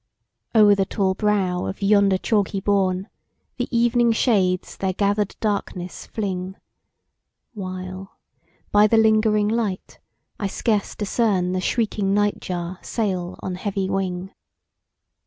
O'er the tall brow of yonder chalky bourn, The evening shades their gather'd darkness fling, While, by the lingering light, I scarce discern The shrieking night jar sail on heavy wing.